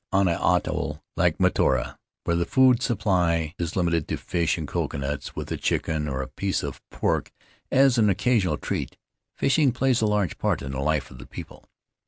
"On an atoll like Mataora, where the food supply is limited to fish and coconuts, with a chicken or a piece of pork as an occasional treat, fishing plays a large part in the life of the people.